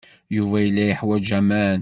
Yuba yella yeḥwaj aman.